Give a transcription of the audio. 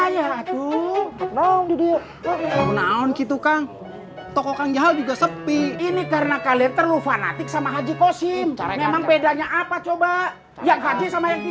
yang haji sama yang tidak jadi haji